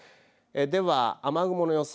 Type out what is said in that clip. では雨雲の予想